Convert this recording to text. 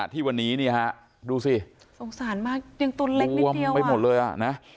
ที่วันนี้นี่ฮะดูสิสงสารมากยังตัวเล็กบวมไปหมดเลยอ่ะนะ